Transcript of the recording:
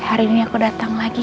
hari ini aku datang lagi